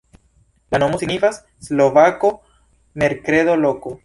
La nomo signifas: slovako-merkredo-loko.